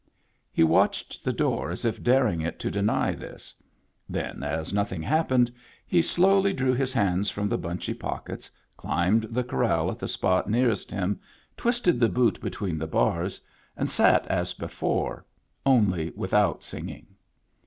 He watched the door, as if daring it to deny this ; then, as nothing happened, he slowly drew his hands from the bunchy pockets, climbed the corral at the spot nearest him, twisted the boot Digitized by Google TIMBERLINE 129 between the bars, and sat as before, only without singing.